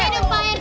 hidup pak rt